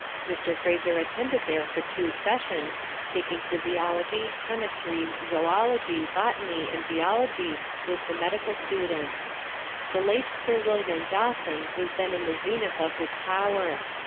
Mr. Fraser attended there for two sessions, taking physiology, chemistry, zoology, botany and geology with the medical students. The late Sir William Dawson was then in the zenith of his power.